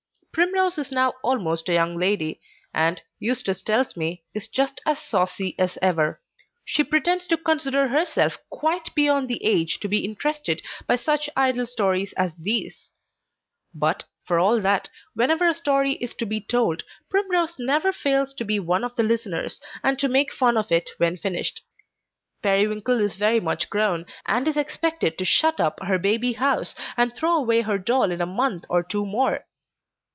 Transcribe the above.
Primrose is now almost a young lady, and, Eustace tells me, is just as saucy as ever. She pretends to consider herself quite beyond the age to be interested by such idle stories as these; but, for all that, whenever a story is to be told, Primrose never fails to be one of the listeners, and to make fun of it when finished. Periwinkle is very much grown, and is expected to shut up her baby house and throw away her doll in a month or two more.